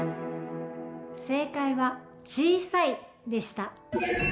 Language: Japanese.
正解は小さいでした。